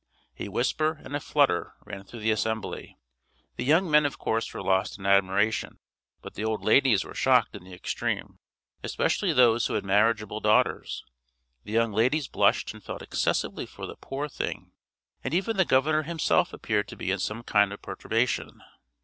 A whisper and a flutter ran through the assembly. The young men of course were lost in admiration, but the old ladies were shocked in the extreme, especially those who had marriageable daughters; the young ladies blushed and felt excessively for the "poor thing," and even the governor himself appeared to be in some kind of perturbation.